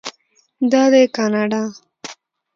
دا دی کاناډا.